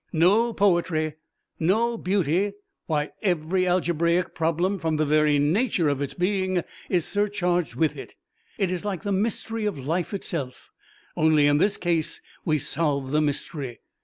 No poetry! No beauty! Why every algebraic problem from the very nature of its being is surcharged with it! It's like the mystery of life itself, only in this case we solve the mystery!